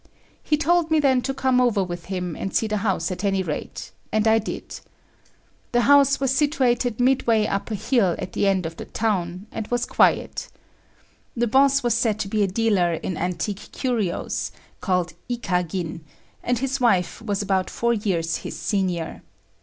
He told me then to come over with him and see the house at any rate, and I did. The house was situated mid way up a hill at the end of the town, and was a quiet. The boss was said to be a dealer in antique curios, called Ikagin, and his wife was about four years his senior.